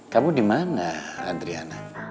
kamu di mana adriana